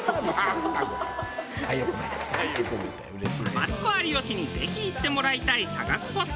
マツコ有吉にぜひ行ってもらいたい佐賀スポット。